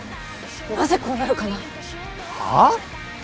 なぜこうなるかなはあ！？